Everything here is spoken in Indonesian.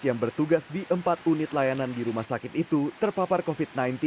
yang bertugas di empat unit layanan di rumah sakit itu terpapar covid sembilan belas